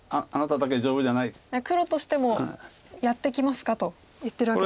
だから黒としても「やってきますか？」と言ってるわけですか。